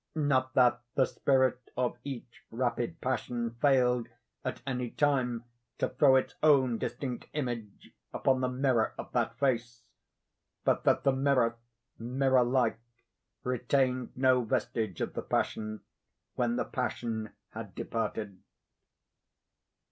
Not that the spirit of each rapid passion failed, at any time, to throw its own distinct image upon the mirror of that face—but that the mirror, mirror like, retained no vestige of the passion, when the passion had departed.